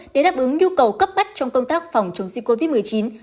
để đáp ứng nhu cầu cấp bách trong công tác phòng chống dịch covid một mươi chín